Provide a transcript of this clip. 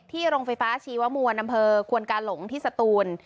โรงไฟฟ้าชีวมวลอำเภอควนกาหลงที่สตูน